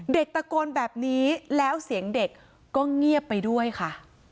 ตะโกนแบบนี้แล้วเสียงเด็กก็เงียบไปด้วยค่ะ